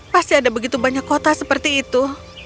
pasti ada begitu banyak kota seperti itu